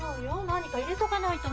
何か入れとかないと。